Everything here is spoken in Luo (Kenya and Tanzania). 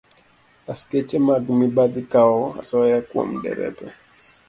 Askeche mag mibadhi kawo asoya kuom derepe